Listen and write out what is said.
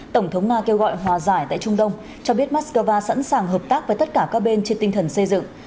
tổng thống nga kêu gọi hòa giải tại trung đông cho biết moscow sẵn sàng hợp tác với tất cả các bên trên tinh thần xây dựng